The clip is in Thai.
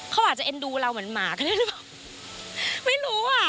เขาอาจจะเอ็นดูเราเหมือนหมาไม่รู้อ่ะ